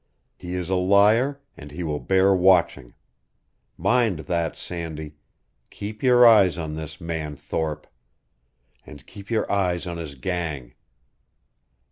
He is a liar, and he will bear watching. Mind that, Sandy. Keep your eyes on this man Thorpe. And keep your eyes on his gang.